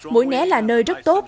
mũi né là nơi rất tốt